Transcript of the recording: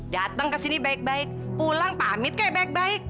datang ke sini baik baik pulang pamit kayak baik baik